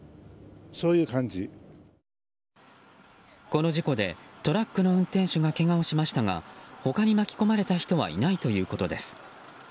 この事故でトラックの運転手が軽傷を負いましたが他に巻き込まれた人はいないということです。